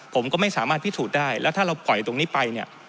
ผมก็ไม่สามารถพิสูจน์ได้แล้วถ้าเราปล่อยตรงนี้ไปเนี่ย